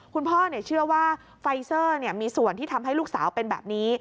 คุณพ่อเชื่อว่าไฟเซอร์มีส่วนที่ทำให้ลูกสาวเป็นแบบนี้